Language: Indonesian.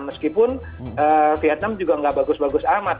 meskipun vietnam juga nggak bagus bagus amat